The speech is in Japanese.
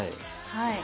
はい。